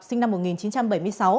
sinh năm một nghìn chín trăm bảy mươi sáu